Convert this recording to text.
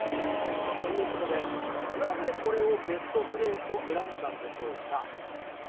ということで、なぜ、これをベストプレーと選んだんでしょうか。